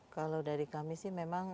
kalau dari kami sih memang